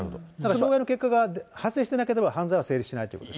傷害の結果が発生していなければ、犯罪は存在しないということです